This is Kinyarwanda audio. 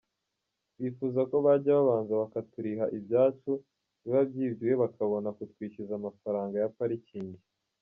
Twifuza ko bajya babanza bakaturiha ibyacu biba byibwe bakabona kutwishyuza amafaranga ya parikingi.